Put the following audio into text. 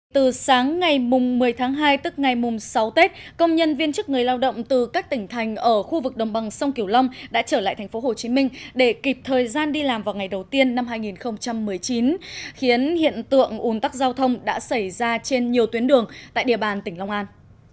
từ sáng ngày một mươi tháng hai tức ngày sáu tết công nhân viên chức người lao động từ các tỉnh thành ở khu vực đồng bằng sông kiểu long đã trở lại tp hcm để kịp thời gian đi làm vào ngày đầu tiên năm hai nghìn một mươi chín khiến hiện tượng ủn tắc giao thông đã xảy ra trên nhiều tuyến đường tại địa bàn tỉnh long an